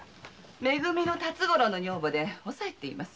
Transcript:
「め組」の辰五郎の女房おさいと言います。